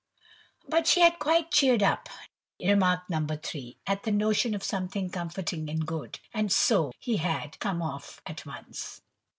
"But she had quite cheered up," remarked No. 3, "at the notion of something comforting and good," and so—he had "come off at once."